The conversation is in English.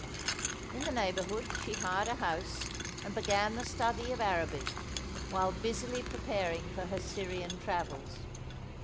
In the neighbourhood she hired a house, and began the study of Arabic, while busily preparing for her Syrian travels.